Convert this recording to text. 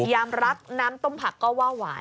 ยามรักน้ำต้มผักก็ว่าหวาน